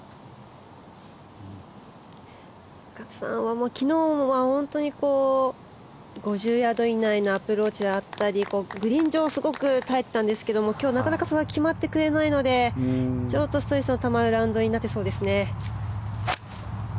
勝さんは昨日は本当に５０ヤード以内のアプローチであったりグリーン上すごく耐えていたんですが今日、なかなかそれが決まってくれないのでちょっとストレスのたまるラウンドになってそうですね。